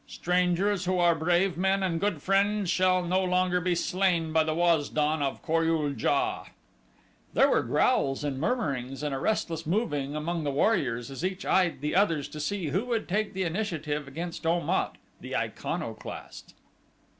Strangers who are brave men and good friends shall no longer be slain by the Waz don of Kor ul JA!" There were growls and murmurings and a restless moving among the warriors as each eyed the others to see who would take the initiative against Om at, the iconoclast.